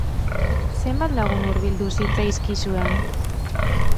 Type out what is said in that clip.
Zenbat lagun hurbildu zitzaizkizuen?